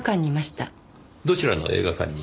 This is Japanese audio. どちらの映画館に？